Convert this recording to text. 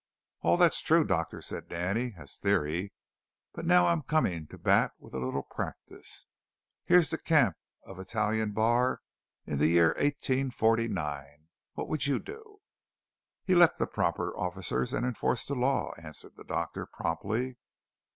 "All that's true, Doctor," said Danny, "as theory; but now I'm coming to bat with a little practice. Here's the camp of Italian Bar in the year 1849. What would you do?" "Elect the proper officers and enforce the law," answered the doctor promptly.